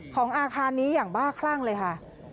ของอาคารนี้อย่างบ้าคลั่งเลยค่ะ